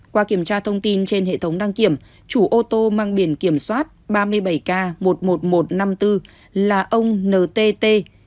qua kiểm tra thông tin trên hệ thống đăng kiểm chủ ô tô mang biển kiểm soát ba mươi bảy k một mươi một nghìn một trăm năm mươi bốn là ông ntt